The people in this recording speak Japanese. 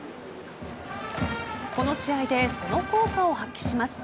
この試合でその効果を発揮します。